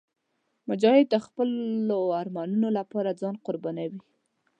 مجاهد د خپلو ارمانونو لپاره ځان قربانوي.